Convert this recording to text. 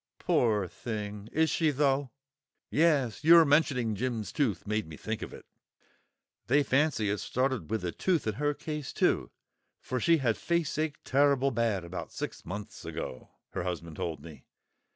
"Pore thing! Is she though?" "Yes, your mentioning Jim's tooth made me think of it. They fancy it started with a tooth in her case too; for she had faceache turrible bad about six months ago, her husband told me.